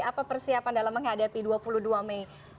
apa persiapan dalam menghadapi dua puluh dua mei